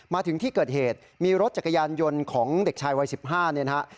มาถึงที่เกิดเหตุมีรถจักรยานยนต์ของเด็กชายวัย๑๕เนี่ยนะฮะ